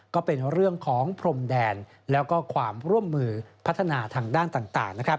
ก็เป็นเรื่องของพรมแดนแล้วก็ความร่วมมือพัฒนาทางด้านต่างนะครับ